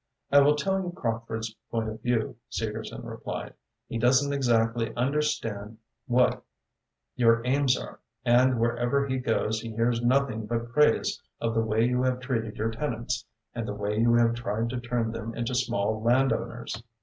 "I will tell you Crockford's point of view," Segerson replied. "He doesn't exactly understand what your aims are, and wherever he goes he hears nothing but praise of the way you have treated your tenants and the way you have tried to turn them into small landowners.